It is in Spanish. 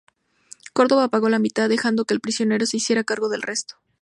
Córdoba pagó la mitad, dejando que el prisionero se hiciera cargo del resto.